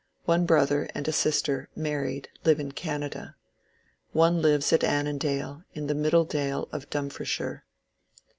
One brother and a sister (married) live in Canada. One lives at Annan dale, the middle dale of Dumfrieshire.